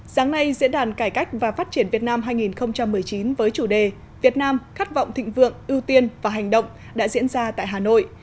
sáng nay diễn đàn cải cách và phát triển việt nam hai nghìn một mươi chín với chủ đề việt nam khát vọng thịnh vượng ưu tiên và hành động đã diễn ra tại hà nội